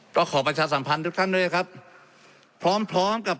ก็ขอประชาสัมพันธ์ทุกท่านด้วยครับพร้อมพร้อมกับ